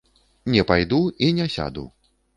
Не пайду і не сяду.